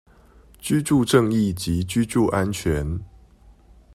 居住正義及居住安全